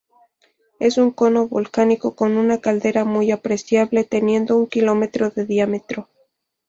Es un cono volcánico con una caldera muy apreciable; teniendo un kilómetro de diámetro.